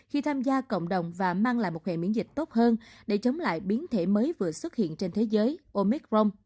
khi tham gia cộng đồng và mang lại một hệ miễn dịch tốt hơn để chống lại biến thể mới vừa xuất hiện trên thế giới omicron